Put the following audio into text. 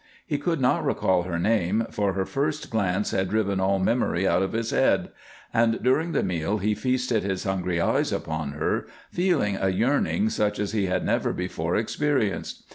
He could not recall her name, for her first glance had driven all memory out of his head, and during the meal he feasted his hungry eyes upon her, feeling a yearning such as he had never before experienced.